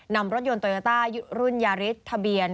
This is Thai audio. นำรถยนต์โตยาต้ารุ่นยาริต